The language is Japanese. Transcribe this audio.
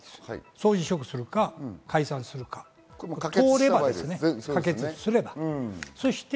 総辞職するか解散するか可決すればです。